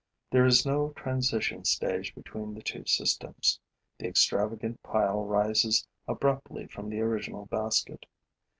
There is no transition stage between the two systems. The extravagant pile rises abruptly from the original basket.